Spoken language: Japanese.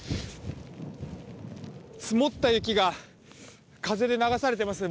積もった雪が風で流されていますね。